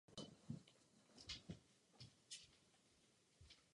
V čele městě stojí starosta.